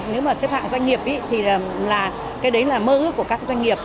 nếu mà xếp hạng doanh nghiệp thì là cái đấy là mơ ước của các doanh nghiệp